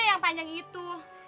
yang panjang itu